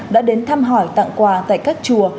đã đến thăm hỏi tặng quà tại các chùa